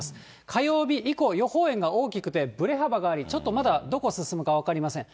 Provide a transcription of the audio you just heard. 火曜日以降、予報円が大きくて、ぶれ幅があり、ちょっとまだどこ進むか分かりません。